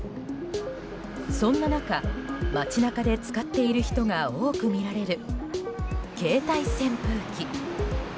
そんな中、街中で使っている人が多く見られる携帯扇風機。